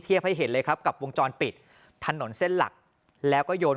ให้เห็นเลยครับกับวงจรปิดถนนเส้นหลักแล้วก็โยน